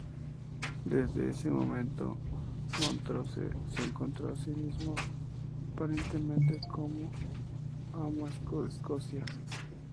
Desde ese momento Montrose se encontró a sí mismo aparentemente como amo de Escocia.